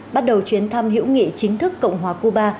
bắt đầu chuyến thăm hữu nghị chính thức cộng hòa cuba